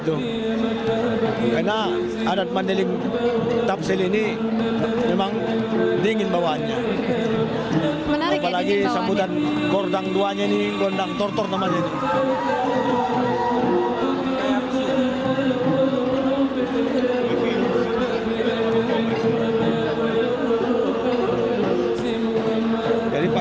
terhadap sebuah kemampuan yang berharga dan berharga yang berharga yang berharga